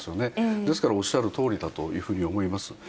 ですからおっしゃるとおりだというふうに思います。